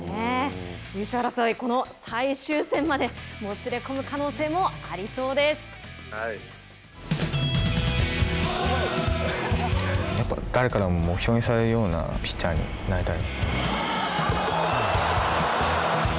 優勝争い最終戦までもつれ込む可能性も誰からも目標にされるようなピッチャーになりたい。